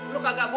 lu kagak bu